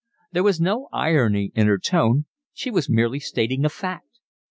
There was no irony in her tone: she was merely stating a fact.